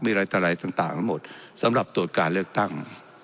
มีอะไรต่ออะไรต่างทั้งหมดสำหรับตรวจการเลือกตั้ง